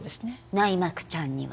内膜ちゃんには。